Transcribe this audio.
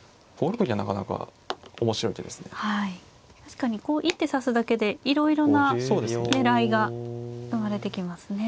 確かにこう一手指すだけでいろいろな狙いが生まれてきますね。